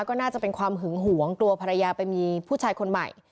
ก็น่าจะเป็นความหึงหวงกลัวภรรยาไปมีผู้ชายคนใหม่